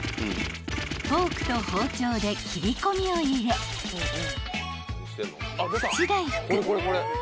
［フォークと包丁で切り込みを入れぷち大福